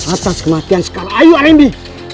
atas kematian sekarayu arimbi